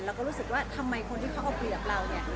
เราก็รู้สึกว่าทำไมคนที่เขาเอาคุยกับเราเนี่ย